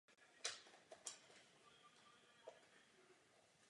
Kniha vyžaduje náročného čtenáře.